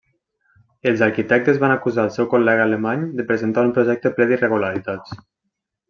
Els arquitectes van acusar el seu col·lega alemany de presentar un projecte ple d'irregularitats.